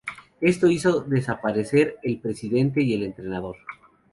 Esto hizo desaparecer el presidente y el entrenador.